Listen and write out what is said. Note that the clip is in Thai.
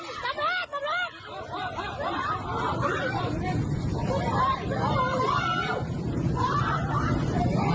เอาเขาเข้าไปก่อนเอาเขาเข้าไปก่อน